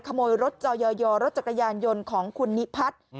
ขโมยรถเจาะเยารถจักรยานของคุณนิพัด